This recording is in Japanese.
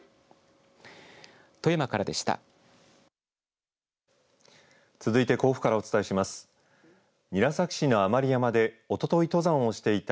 富山からでした。